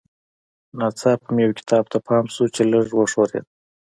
ناڅاپه مې یو کتاب ته پام شو چې لږ وښورېد